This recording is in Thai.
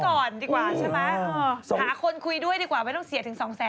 หาคนคุยด้วยดีกว่าไม่ต้องเสียถึงสองแสน